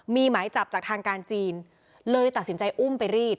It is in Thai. มีหมายจับจากทางการจีนเลยตัดสินใจอุ้มไปรีบ